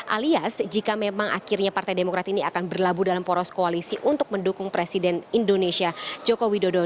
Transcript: alias jika memang akhirnya partai demokrat ini akan berlabuh dalam poros koalisi untuk mendukung presiden indonesia joko widodo